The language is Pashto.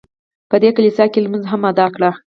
په دې کلیسا کې یې لمونځ هم ادا کړ.